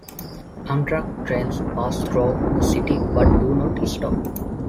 Amtrak trains pass through the city but do not stop.